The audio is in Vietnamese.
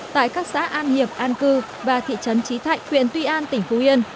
tại các xã an hiệp an cư và thị trấn trí thạnh huyện tuy an tỉnh phú yên